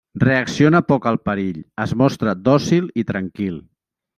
Reacciona poc al perill, es mostra dòcil i tranquil.